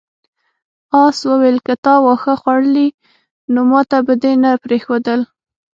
آس وویل که تا واښه خوړلی نو ماته به دې نه پریښودل.